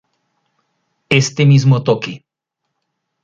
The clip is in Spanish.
Este mismo toque,